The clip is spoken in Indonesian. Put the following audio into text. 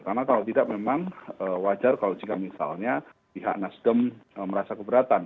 karena kalau tidak memang wajar kalau jika misalnya pihak nasdem merasa keberatan